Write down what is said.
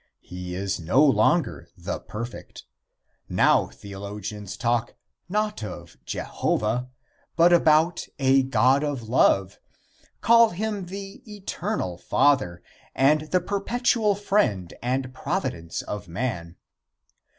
He is no longer the perfect. Now theologians talk, not about Jehovah, but about a God of love, call him the Eternal Father and the perpetual friend and providence of man.